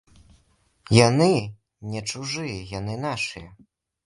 Яны не чужыя, яны нашыя.